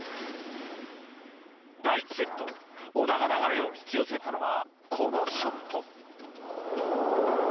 第１セット小田が流れを引き寄せたのはこのショット。